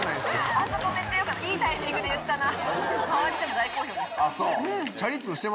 あそこめっちゃよかったいいタイミングで言ったなぁ。